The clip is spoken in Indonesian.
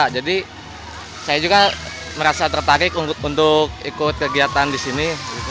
jadi saya juga merasa tertarik untuk ikut kegiatan di sini